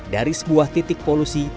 dari sebuah titik polusi